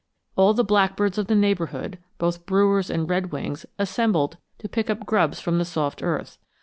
All the blackbirds of the neighborhood both Brewer's and redwings assembled to pick up grubs from the soft earth.